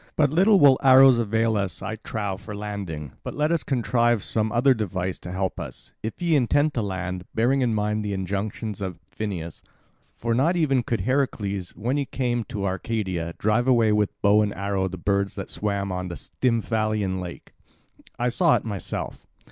But little will arrows avail us, I trow, for landing. But let us contrive some other device to help us, if ye intend to land, bearing in mind the injunction of Phineus. For not even could Heracles, when he came to Arcadia, drive away with bow and arrow the birds that swam on the Stymphalian lake. I saw it myself.